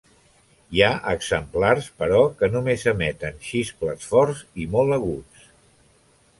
Hi ha exemplars, però, que només emeten xiscles forts i molt aguts.